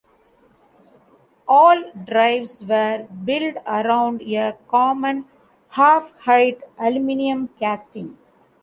All drives were built around a common half-height aluminum casting.